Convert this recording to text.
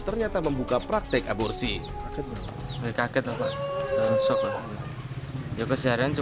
ternyata membuka praktek aborsi